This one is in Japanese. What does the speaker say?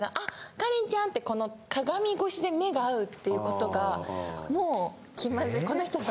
カレンちゃんってこの鏡越しで目が合うっていうことがもう気まずい。